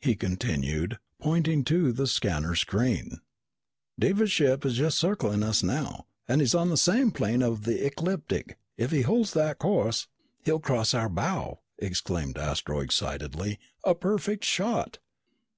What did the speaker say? he continued, pointing to the scanner screen. "Devers' ship is just circling us now. And he's on the same plane of the ecliptic. If he holds that course " "He'll cross our bow!" exclaimed Astro excitedly. "A perfect shot!"